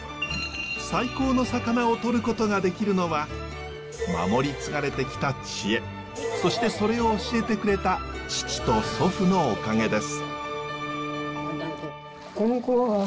最高の魚をとることができるのは守り継がれてきた知恵そしてそれを教えてくれた父と祖父のおかげです。